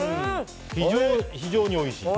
非常においしい。